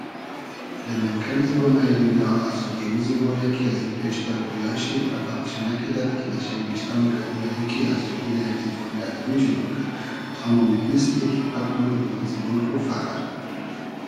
دۂ مېنکئلی زیبۉنایی دونیا آزرگی او زیبۉ یۂ کی ازی پېش تۉرۂ گۉیای شی پئرداخت شی نئکیدئد کی در شی نیمیشتۂ موکئد یا ای کی آزرگی رۂ یئگ زیبۉنی ادئبی جۉر موکئد تا مو میتینیستی کی پئگ مۉ دۂ بئل زیبۉن خو فئخر